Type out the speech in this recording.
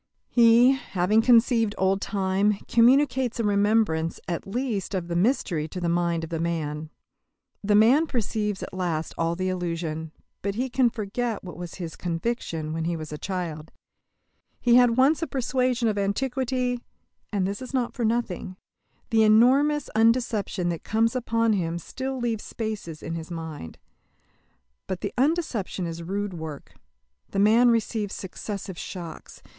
He, having conceived old time, communicates a remembrance at least of the mystery to the mind of the man. The man perceives at last all the illusion, but he cannot forget what was his conviction when he was a child. He had once a persuasion of Antiquity. And this is not for nothing. The enormous undeception that comes upon him still leaves spaces in his mind. But the undeception is rude work. The man receives successive shocks.